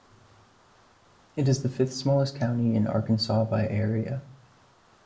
It is the fifth-smallest county in Arkansas by area.